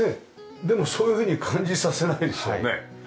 でもそういうふうに感じさせないですよね。